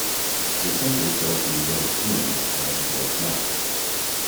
The center tells you what is 'in' and what's not.